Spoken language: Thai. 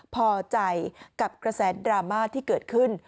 พอใจกับกระแสดราม่าที่เกิดขึ้น